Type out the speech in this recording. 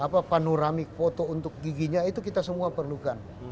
kalau mungkin dia punya panoramik foto untuk giginya itu kita semua perlukan